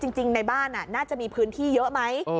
จริงจริงในบ้านอ่ะน่าจะมีพื้นที่เยอะไหมเออ